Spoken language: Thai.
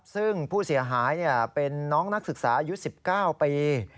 ซึ่งผู้เสียหายเป็นน้องนักศึกษาอายุ๑๙ปี